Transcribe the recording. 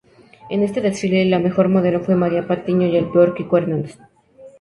En este desfile, la mejor modelo fue María Patiño y el peor, Kiko Hernández.